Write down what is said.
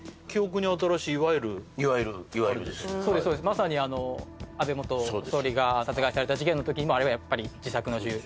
まさに安倍元総理が殺害された事件のとき、あれはやっぱり自作の銃。